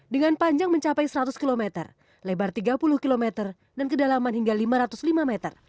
dengan panjang mencapai seratus km lebar tiga puluh km dan kedalaman hingga lima ratus lima meter